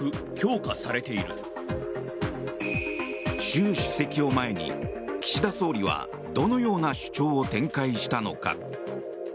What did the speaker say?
習主席を前に岸田総理はどのような主張を展開したのか。